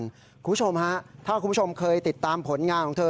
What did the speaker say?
คุณผู้ชมฮะถ้าคุณผู้ชมเคยติดตามผลงานของเธอ